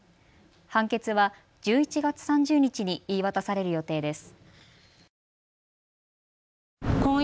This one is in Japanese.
判決は１１月３０日に言い渡される予定です。